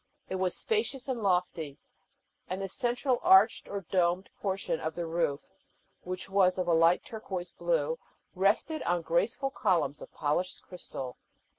It was spacious and lofty, and the central arched or domed portion of the roof, which was of a light turquoise blue, rested on graceful columns of polished crystal.